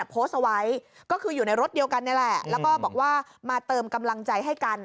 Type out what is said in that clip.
โพสต์เอาไว้ก็คืออยู่ในรถเดียวกันนี่แหละแล้วก็บอกว่ามาเติมกำลังใจให้กัน